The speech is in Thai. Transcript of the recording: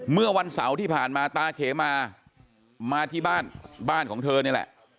เมื่อวันเสาร์ที่ผ่านมาตาเขมามาที่บ้านบ้านของเธอนี่แหละ